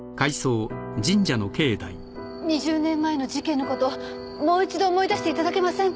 ２０年前の事件のこともう一度思い出していただけませんか？